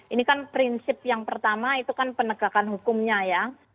ini kan prinsip yang pertama itu kan penegakan hukumnya ya